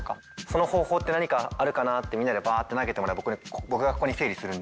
その方法って何かあるかなってみんなでバッて投げてもらえば僕がここで整理するんで。